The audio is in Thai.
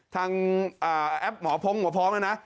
ทางแอปหมอพร้อมหมอพร้อมนะนะ